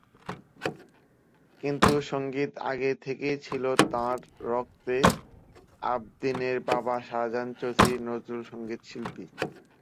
কিন্তু সংগীত আগে থেকেই ছিল তাঁর রক্তে—আবদীনের বাবা শাহজাহান চৌধুরী নজরুলসংগীত শিল্পী।